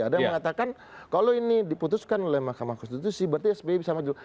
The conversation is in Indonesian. ada yang mengatakan kalau ini diputuskan oleh mahkamah konstitusi berarti sbi bisa maju